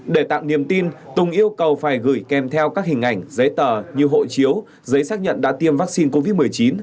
để tạo niềm tin tùng yêu cầu phải gửi kèm theo các hình ảnh giấy tờ như hộ chiếu giấy xác nhận đã tiêm vaccine covid một mươi chín